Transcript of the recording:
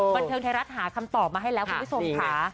บันเทิงไทยรัฐหาคำตอบมาให้แล้วคุณผู้ชมค่ะ